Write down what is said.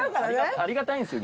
ありがたいんですよ